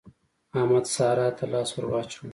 احمد سارا ته لاس ور واچاوو.